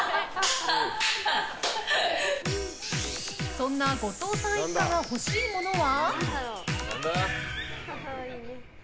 そんな後藤さん一家が欲しいものは？